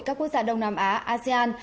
các quốc gia đông nam á asean